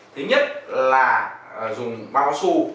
thứ nhất là dùng bao su